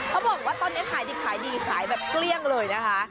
เขาบอกว่าตอนนี้ขายดิบขายดีขายแบบเกลี้ยงเลยนะคะ